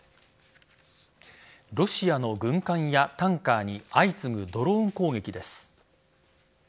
ロシアの軍艦やタンカーに相次ぐドローン攻撃です。